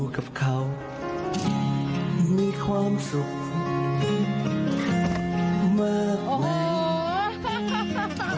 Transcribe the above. กับเขามีความสุขเมื่อไหร่